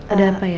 ada apa ya